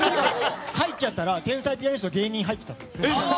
入っちゃったら天才ピアニストっていう芸人が入ってた。